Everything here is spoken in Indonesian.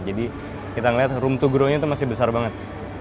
jadi kita ngeliat room to grow nya itu masih besar banget